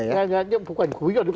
ini bukan guyo